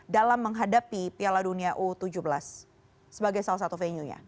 dalam menghadapi piala dunia u tujuh belas sebagai salah satu venue nya